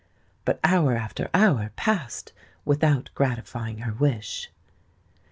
But hour after hour passed without gratifying her wish.